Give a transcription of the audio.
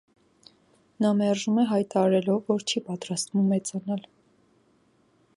Նա մերժում է հայտարարելով՝ որ չի պատրաստվում մեծանալ։